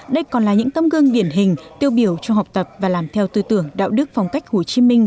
đây còn là những tâm gương điển hình tiêu biểu cho học tập và làm theo tư tưởng đạo đức phong cách hồ chí minh